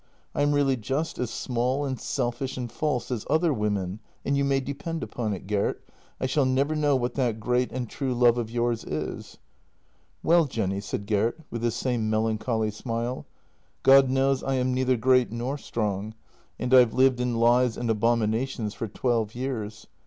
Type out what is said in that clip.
I am really just as small and selfish and false as other women, and you may depend upon it, Gert, I shall never know what that great and true love of yours is." " Well, Jenny," said Gert, with his same melancholy smile —" God knows, I am neither great nor strong, and I've lived in lies and abominations for twelve years.